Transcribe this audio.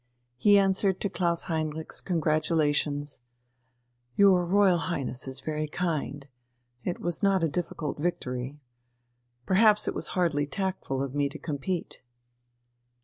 He answered to Klaus Heinrich's congratulations: "Your Royal Highness is very kind. It was not a difficult victory. Perhaps it was hardly tactful of me to compete."